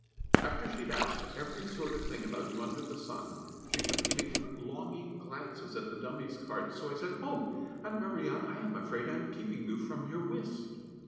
After she had asked every sort of thing about you under the sun, she kept giving longing glances at the dummy's cards; so I said, "Oh! Aunt Maria, I am afraid I am keeping you from your whist."